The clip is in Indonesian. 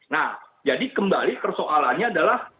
nah jadi kembali persoalannya adalah